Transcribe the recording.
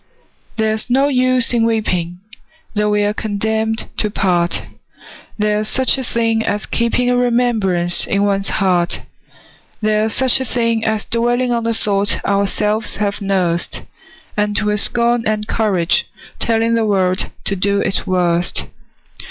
There's no use in weeping, Though we are condemned to part: There's such a thing as keeping A remembrance in one's heart: There's such a thing as dwelling On the thought ourselves have nursed, And with scorn and courage telling The world to do its worst.